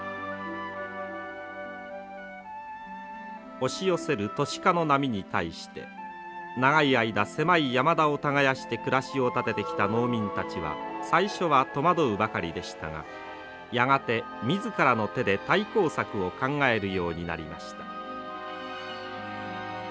押し寄せる都市化の波に対して長い間狭い山田を耕して暮らしを立ててきた農民たちは最初は戸惑うばかりでしたがやがて自らの手で対抗策を考えるようになりました。